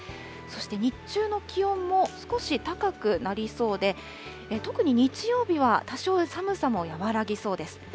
そして日中の気温も少し高くなりそうで、特に日曜日は、多少寒さも和らぎそうです。